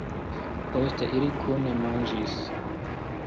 Poste, ili kune manĝis.